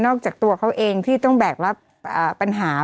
จากตัวเขาเองที่ต้องแบกรับปัญหา